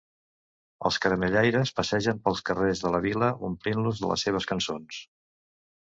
Els caramellaires passegen pels carrers de la vila omplint-los de les seves cançons.